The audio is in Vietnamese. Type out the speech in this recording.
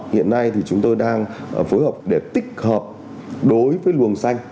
hiện nay thì chúng tôi đang phối hợp để tích hợp đối với luồng xanh